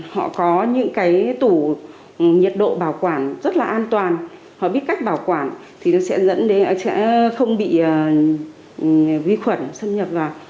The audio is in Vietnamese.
họ có những cái tủ nhiệt độ bảo quản rất là an toàn họ biết cách bảo quản thì nó sẽ dẫn đến họ sẽ không bị vi khuẩn xâm nhập vào